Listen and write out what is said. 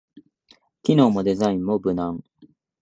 機能もデザインも無難